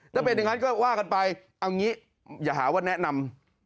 ถ้าเป็นอย่างนั้นก็ว่ากันไปเอางี้อย่าหาว่าแนะนำ